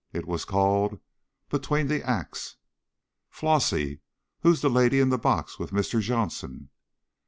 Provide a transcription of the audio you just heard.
It was called "~BETWEEN THE ACTS.~" ~Flossie.~ Who's the lady in the box with Mr. Johnson?